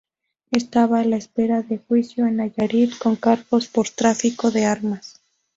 Estaba a la espera de juicio en Nayarit con cargos por tráfico de armas.